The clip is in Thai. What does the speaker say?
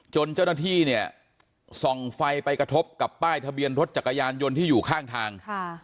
เจ้าหน้าที่เนี่ยส่องไฟไปกระทบกับป้ายทะเบียนรถจักรยานยนต์ที่อยู่ข้างทาง